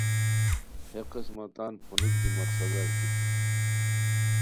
ہے قسمہ تان پھونیک دی مقصدار ٹیپ